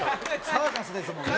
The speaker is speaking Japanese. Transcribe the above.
サーカスですもんね。